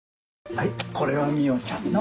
はいこれは海音ちゃんの。